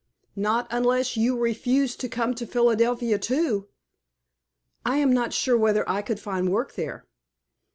"Not unless you refuse to come to Philadelphia, too." "I am not sure whether I could find work there."